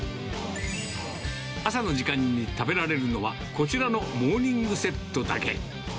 朝の時間に食べられるのは、こちらのモーニングセットだけ。